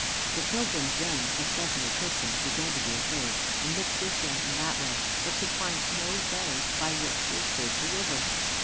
The pilgrims then, especially Christian, began to be afraid, and looked this way and that way, but could find no way by which to escape the river.